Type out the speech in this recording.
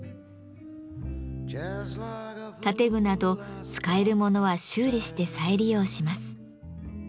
建具など使えるものは修理して再利用します。